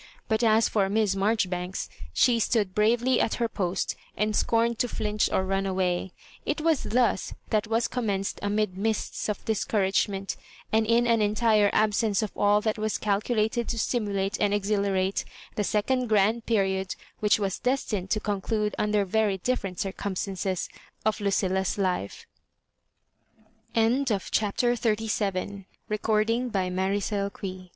But as for Miss Marjoribanks, she stood bravely at her post, and scorned to flinch or run away. It was thus that was commenced, amid mists of discouragement, and in an entire absence of all that was calculated to stimulate and exhilarate, the second grand period, which was destined to conclude under very different circumstances, of LuciUa's